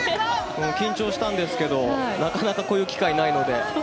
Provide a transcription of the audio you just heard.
緊張したんですけどなかなかこういう機会ないので。